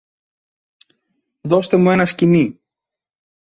Δώστε μου ένα σκοινί!